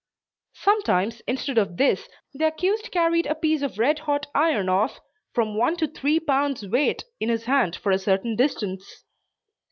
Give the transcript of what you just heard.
Sometimes, instead of this, the accused carried a piece of red hot iron of from one to three pounds' weight in his hand for a certain distance.